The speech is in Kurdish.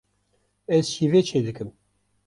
Ez şîvê çêdikim.